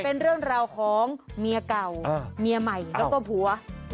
เป็นเรื่องราวของเมียเก่าเมียใหม่แล้วก็ผัว